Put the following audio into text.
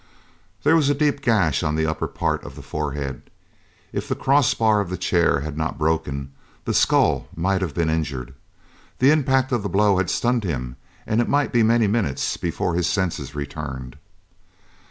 There was a deep gash on the upper part of the forehead. If the cross bar of the chair had not broken, the skull might have been injured. The impact of the blow had stunned him, and it might be many minutes before his senses returned.